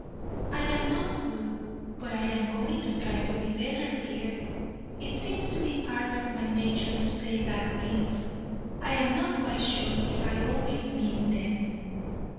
"I am not good, but I am going to try to be better, dear; it seems to be part of my nature to say bad things. I am not quite sure if I always mean them.